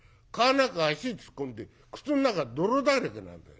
中足突っ込んで靴ん中泥だらけなんだよ。